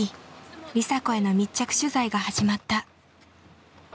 梨紗子への密着取材が始まった。